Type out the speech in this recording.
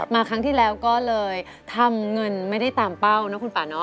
มาครั้งที่แล้วก็เลยทำเงินไม่ได้ตามเป้านะคุณป่าเนาะ